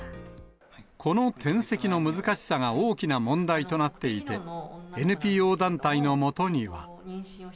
この転籍の難しさが大きな問題となっていて、ＮＰＯ団体のもとには。